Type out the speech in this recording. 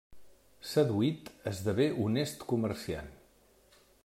Seduït, esdevé honest comerciant.